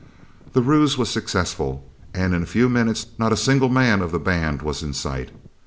The ruse was successful, and in a few minutes not a single man of the band was in sight.